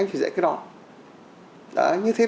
như thế là những cái đó đều liên quan đến hộ nhập